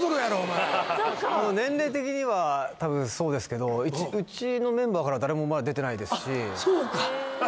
あの年齢的には多分そうですけどうちのメンバーから誰もまだ出てないですしあっ